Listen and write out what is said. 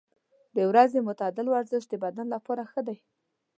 د ورځې معتدل ورزش د بدن لپاره ښه دی.